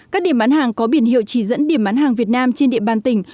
các điểm bán hàng có biển hiệu chỉ dẫn điểm bán hàng việt nam trên địa bàn tỉnh